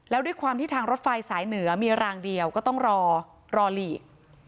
แล้วด้วยความที่ทางรถไฟสายเหนือมีรางเดียวก็ต้องรอรอหลีก